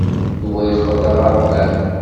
Yuba yeqqel d aɣerfan.